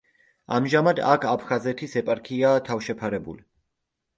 ამჟამად აქ აფხაზეთის ეპარქიაა თავშეფარებული.